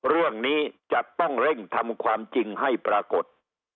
เรื่องนี้จะต้องเร่งทำความจริงให้ปรากฏ